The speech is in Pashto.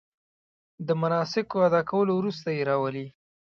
د مناسکو ادا کولو وروسته یې راولي.